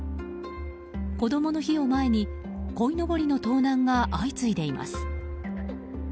こどもの日を前に、こいのぼりの盗難が相次いでいます。